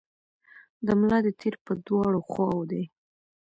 د ملا د تیر په دواړو خواوو دي.